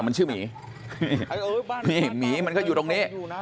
นี่หมีมันก็อยู่ตรงนี้